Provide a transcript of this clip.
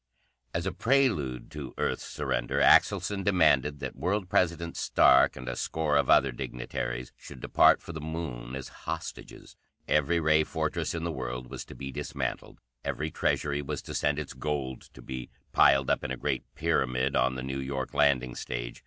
As a prelude to Earth's surrender, Axelson demanded that World President Stark and a score of other dignitaries should depart for the Moon as hostages. Every ray fortress in the world was to be dismantled, every treasury was to send its gold to be piled up in a great pyramid on the New York landing stage.